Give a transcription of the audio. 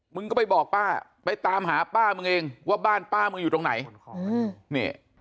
มึงก็ไปบอกป้าไปตามหาป้ามึงเองว่าบ้านป้ามึงอยู่ตรงไหน